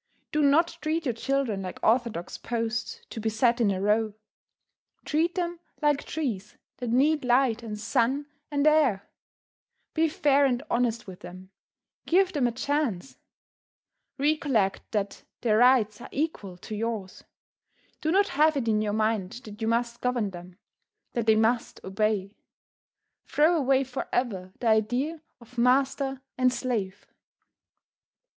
Do not treat your children like orthodox posts to be set in a row. Treat them like trees that need light and sun and air. Be fair and honest with them; give them a chance. Recollect that their rights are equal to yours. Do not have it in your mind that you must govern them; that they must obey. Throw away forever the idea of master and slave.